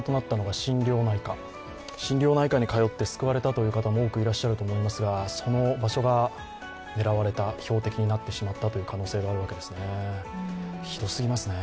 心療内科に通って救われたという方も多くいらっしゃると思いますがその場所が狙われた、標的になってしまったという可能性があるわけですね。